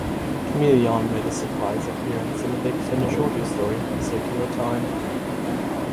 Kamelion made a surprise appearance in the Big Finish audio story "Circular Time".